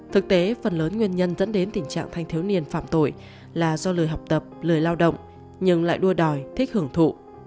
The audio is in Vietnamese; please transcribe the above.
thực tế phần lớn nguyên nhân dẫn đến tình trạng thanh thiếu niên phạm tội là do lời học tập lời lao động nhưng lại đua đòi thích hưởng thụ